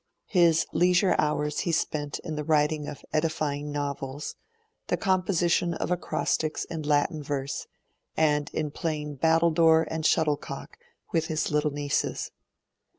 His leisure hours he spent in the writing of edifying novels, the composition of acrostics in Latin Verse, and in playing battledore and shuttlecock with his little nieces.